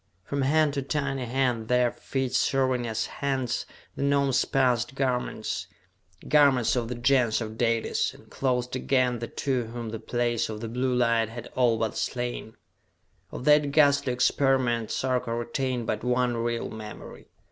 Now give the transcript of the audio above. From hand to tiny hand, their feet serving as hands, the Gnomes passed garments garments of the Gens of Dalis, and clothed again the two whom the Place of the Blue Light had all but slain. Of that ghastly experiment Sarka retained but one real memory....